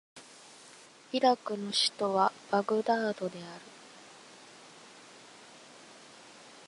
イラクの首都はバグダードである